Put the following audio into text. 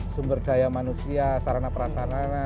sumber daya manusia sarana prasarana